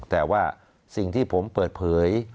แต่ว่าสิ่งที่ผมเปิดเผย